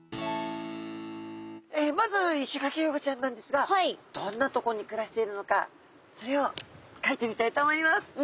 まずイシガキフグちゃんなんですがどんなとこに暮らしているのかそれをかいてみたいと思います。